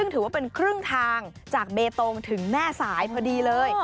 ถึงแน่สายพอดีเลย